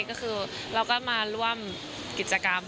ก็คือเราก็มาร่วมกิจกรรม